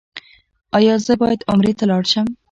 ایا زه باید عمرې ته لاړ شم؟